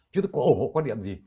chúng tôi có ủng hộ quan điểm gì